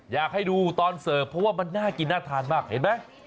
อยากให้ดูตอนเสิร์ฟเพราะว่ามันน่ากินน่าทานมากเห็นไหม